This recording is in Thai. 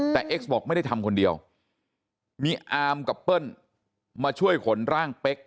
แต่เอ็กซ์บอกไม่ได้ทำคนเดียวมีอามกับเปิ้ลมาช่วยขนร่างเป๊ก